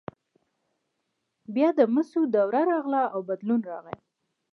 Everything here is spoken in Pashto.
بیا د مسو دوره راغله او بدلون راغی.